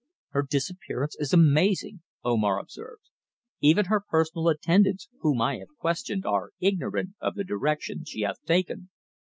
"Her disappearance is amazing," Omar observed. "Even her personal attendants whom I have questioned are ignorant of the direction she hath taken.